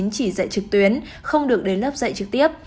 chỉ dạy trực tuyến không được đến lớp dạy trực tiếp